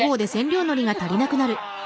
あ！